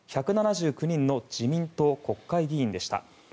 １７９人の自民党国会議員でした。